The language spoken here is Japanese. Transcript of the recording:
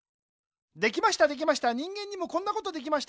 できましたできました人間にもこんなことできました。